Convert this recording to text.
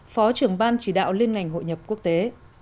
phó trưởng ban chỉ đạo liên ngành hội nhập quốc tế